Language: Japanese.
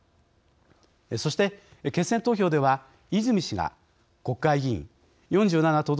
そして、決選投票では泉氏が、国会議員４７都道